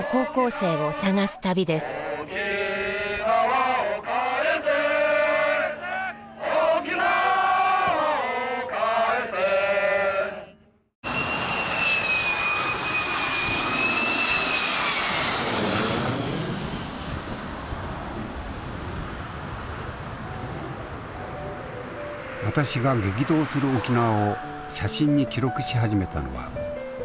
私が激動する沖縄を写真に記録し始めたのは１９６８年秋。